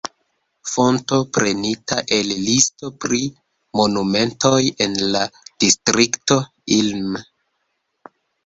Fonto prenita el listo pri monumentoj en la Distrikto Ilm.